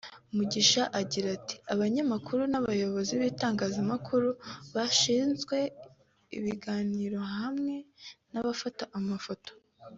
Mugisha agira ati “Abanyamakuru n’abayobozi bibitangazamakuru bashinzwe ibiganiro hamwe n’abafata amafoto